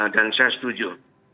dan saya setuju